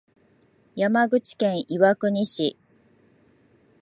山口県岩国市